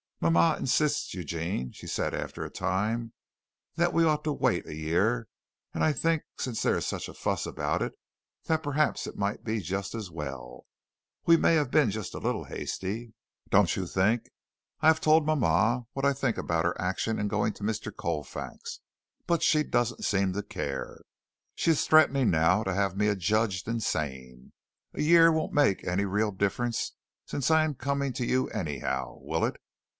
"Mama insists, Eugene," she said after a time, "that we ought to wait a year, and I think since there is such a fuss about it, that perhaps it might be just as well. We may have been just a little hasty, don't you think? I have told mama what I think about her action in going to Mr. Colfax, but she doesn't seem to care. She is threatening now to have me adjudged insane. A year won't make any real difference since I am coming to you, anyhow, will it?